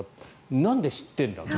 なんで知っているんだろう。